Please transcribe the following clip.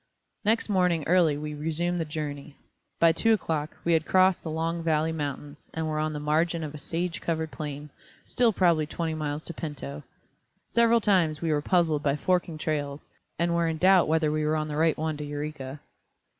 Next morning early we resumed the journey. By two o'clock we had crossed the Long Valley Mountains and were on the margin of a sage covered plain, still probably twenty miles to Pinto. Several times we were puzzled by forking trails, and were in doubt whether we were on the right one to Eureka.